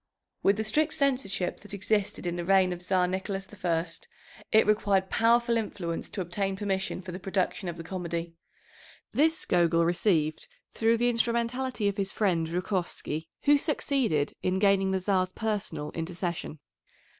With the strict censorship that existed in the reign of Czar Nicholas I, it required powerful influence to obtain permission for the production of the comedy. This Gogol received through the instrumentality of his friend, Zhukovsky, who succeeded in gaining the Czar's personal intercession.